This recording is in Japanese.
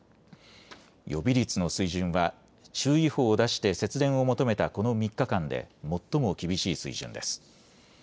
予備率の水準は注意報を出して節電を求めたこの３日間で最も厳しい水準です。